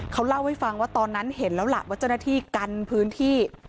เขาเล่าให้ฟังว่าตอนนั้นเห็นแล้วล่ะว่าเจ้าหน้าที่กันพื้นที่